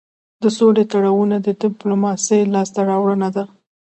د سولې تړونونه د ډيپلوماسی لاسته راوړنه ده.